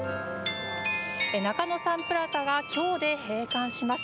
中野サンプラザが今日で閉館します。